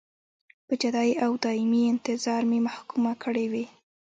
په جدایۍ او دایمي انتظار مې محکومه کړې وې.